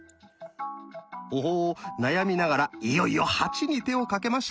おほ悩みながらいよいよ「８」に手をかけましたよ。